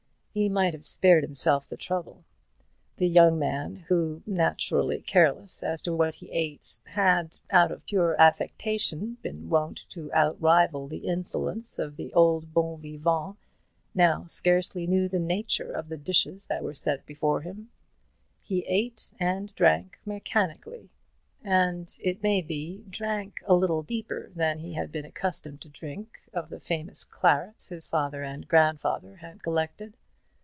He might have spared himself the trouble. The young man, who, naturally careless as to what he ate, had, out of pure affectation, been wont to outrival the insolence of the oldest bon vivants, now scarcely knew the nature of the dishes that were set before him. He ate and drank mechanically; and it may be drank a little deeper than he had been accustomed to drink of the famous clarets his father and grandfather had collected.